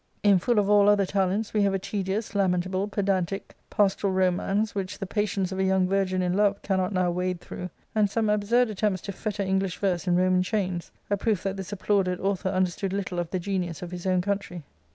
In full of all other talents, we have a tedious, lamentable, pedantic, ^storal Introductory and Biographical Essay, xxi • romance, which the patience of a young virgin in love cannot now wade through; and some absurd attempts to fetter English verse in Roman chains— a proof that this applauded author understood little of the genius of his own country."